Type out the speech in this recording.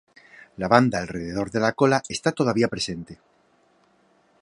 La banda alrededor de la cola está todavía presente.